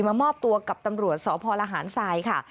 มามอบตัวกับตำรวจสพลหารทรายค่ะ